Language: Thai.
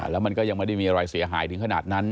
แล้วมันก็ยังไม่ได้มีอะไรเสียหายถึงขนาดนั้น